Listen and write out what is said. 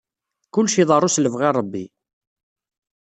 Kullec iḍerru s lebɣi n Ṛebbi.